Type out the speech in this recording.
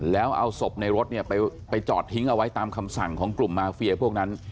แล้วเอาศพในรถเนี่ยไปจอดทิ้งเอาไว้ตามคำสั่งของกลุ่มมาเฟียพวกนั้น